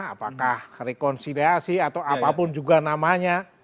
apakah rekonsiliasi atau apapun juga namanya